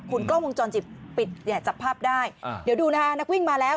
คุณกล้องวงจรปิดปิดเนี่ยจับภาพได้เดี๋ยวดูนะคะนักวิ่งมาแล้ว